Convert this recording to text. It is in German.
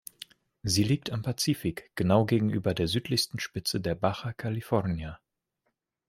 Sie liegt am Pazifik, genau gegenüber der südlichsten Spitze der Baja California.